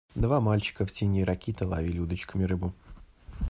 Два мальчика в тени ракиты ловили удочками рыбу.